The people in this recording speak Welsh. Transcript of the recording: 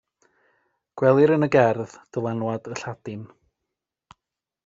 Gwelir yn y gerdd dylanwad y Lladin.